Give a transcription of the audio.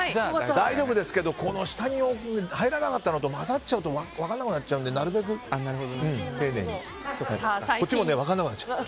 大丈夫ですけどこの下に入らなかったのと混ざっちゃうと分からなくなっちゃうのでなるべく丁寧に。